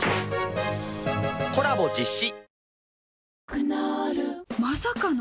クノールまさかの！？